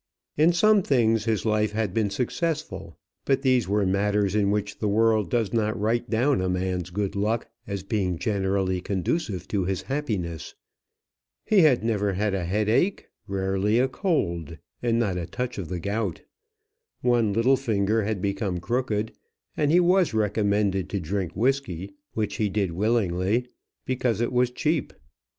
In some things his life had been successful; but these were matters in which the world does not write down a man's good luck as being generally conducive to his happiness. He had never had a headache, rarely a cold, and not a touch of the gout. One little finger had become crooked, and he was recommended to drink whisky, which he did willingly, because it was cheap.